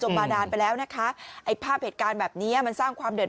มานานไปแล้วนะคะไอ้ภาพเหตุการณ์แบบนี้มันสร้างความเดือด